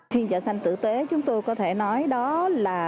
phiên chợ xanh tử tế chúng tôi có thể nói đó là